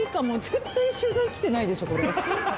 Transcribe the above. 絶対取材来てないでしょこれ。